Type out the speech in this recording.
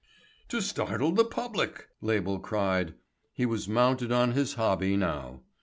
"To startle the public," Label cried. He was mounted on his hobby now.